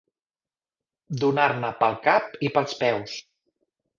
Donar-ne pel cap i pels peus.